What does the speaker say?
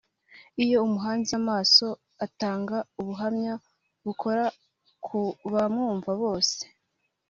Iyo umuhanze amaso atanga ubu buhamya bukora ku babwumva bose